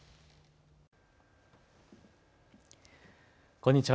こんにちは。